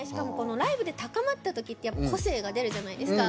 ライブで高まったときって個性が出るじゃないですか。